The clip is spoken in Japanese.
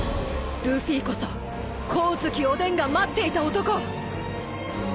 ルフィこそ光月おでんが待っていた男。